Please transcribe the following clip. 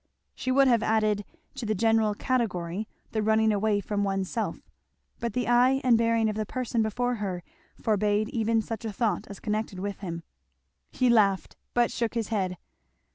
She would have added to the general category, "the running away from oneself;" but the eye and bearing of the person before her forbade even such a thought as connected with him. He laughed, but shook his head.